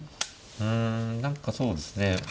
うん何かそうですね。